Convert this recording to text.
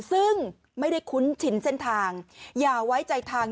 ซึ่งไม่ได้คุ้นชินเส้นทางอย่าไว้ใจทาง